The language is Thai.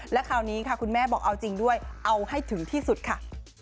และคราวนี้ค่ะคุณแม่บอกเอาจริงด้วยเอาให้ถึงที่สุดค่ะ